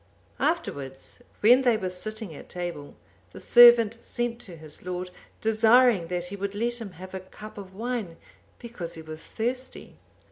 Afterwards, when they were sitting at table, the servant sent to his lord, desiring that he would let him have a cup of wine, because he was thirsty.